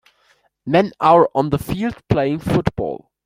Men are on the field playing football.